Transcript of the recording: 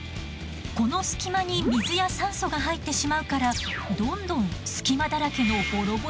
この隙間に水や酸素が入ってしまうからどんどん隙間だらけのボロボロになっていくの。